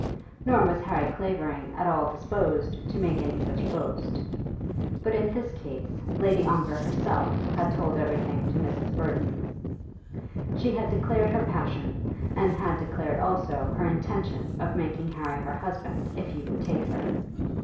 Nor was Harry Clavering at all disposed to make any such boast. But in this case, Lady Ongar herself had told everything to Mrs. Burton. She had declared her passion, and had declared also her intention of making Harry her husband if he would take her.